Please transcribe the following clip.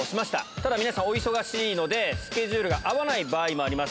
ただ皆さん、お忙しいので、スケジュールが合わない場合もあります。